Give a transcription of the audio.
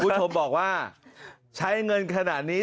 คุณผู้ชมบอกว่าใช้เงินขนาดนี้